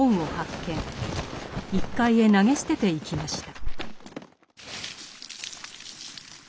１階へ投げ捨てていきました。